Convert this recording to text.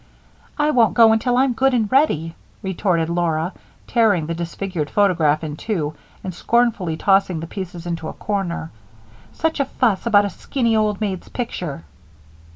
"I won't go until I'm good and ready," retorted Laura, tearing the disfigured photograph in two and scornfully tossing the pieces into a corner. "Such a fuss about a skinny old maid's picture."